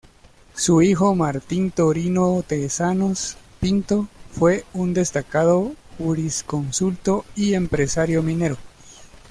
Su hijo Martín Torino Tezanos Pinto fue un destacado jurisconsulto y empresario minero.